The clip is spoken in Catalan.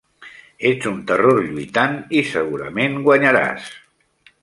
Ets un terror lluitant i segurament guanyaràs.